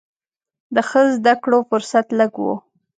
د ښه زده کړو فرصت لږ و.